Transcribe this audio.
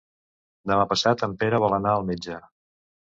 Demà passat en Pere vol anar al metge.